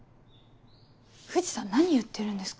藤さん何言ってるんですか？